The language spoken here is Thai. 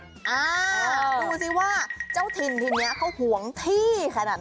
อ่าดูสิว่าเจ้าถิ่นทีนี้เขาห่วงที่ขนาดไหน